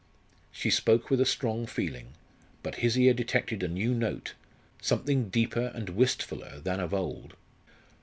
She spoke with a strong feeling; but his ear detected a new note something deeper and wistfuller than of old.